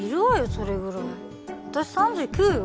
それぐらい私３９よ